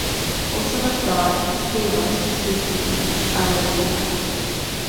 O Son of God, save us who sing to Thee: Alleluia!